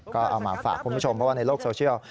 ก็เอามาฝากคุณผู้ชมเพราะว่าในโลกโซเชียล